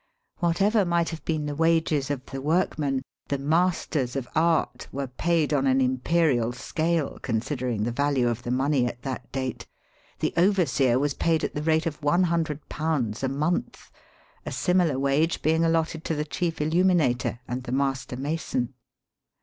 "Whatever might have been the wages of the workmen, the masters of art were paid on an imperial scale consider ing the value of money at that date. The overseer was paid at the rate of £100 a month, a similar "wage being allotted to the chief illuminator and the master mason.